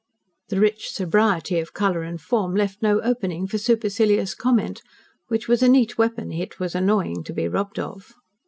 The rich sobriety of colour and form left no opening for supercilious comment which was a neat weapon it was annoying to be robbed of.